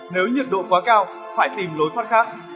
nếu nhiệt độ quá cao phải tìm lối thoát khác